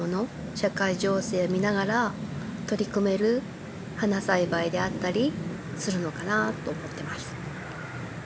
社会情勢を見ながら取り組める花栽培であったりするのかなと思ってます。